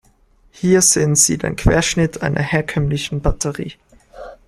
Hier sehen Sie den Querschnitt einer herkömmlichen Batterie.